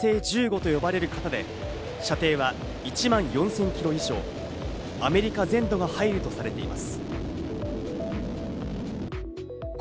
「火星１５」と呼ばれる型で、射程は１万４０００キロ以上、アメリカ全土が入るとされています。